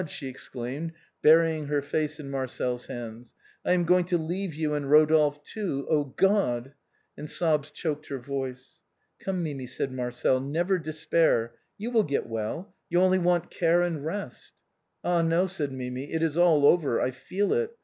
she exclaimed, burying her face in Marcel's hands, " I am going to leave you and Eodolphe too, oh, God !" and sobs choked her voice. "Come, Mimi," said Marcel, "never despair, you will get well, you only want care and rest." "Ah ! no," said Mimi, " it is all over, I feel it.